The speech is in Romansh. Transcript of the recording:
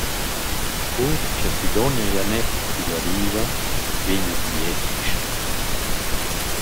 Cur cha Sidonia Janett tilla riva vegna quietischem.